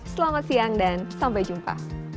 selamat siang dan sampai jumpa